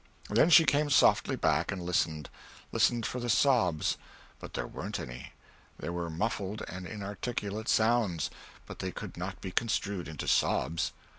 Then she came softly back and listened listened for the sobs, but there weren't any; there were muffled and inarticulate sounds, but they could not be construed into sobs.